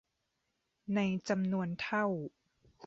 ในจำนวนเท่า